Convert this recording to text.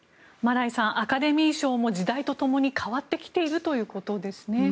マライさんアカデミー賞も時代とともに変わってきているということですね。